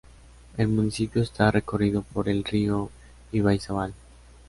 El municipio esta recorrido por el río Ibaizábal.